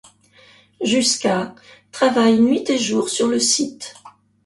Jusqu'à travaillent nuit et jour sur le site.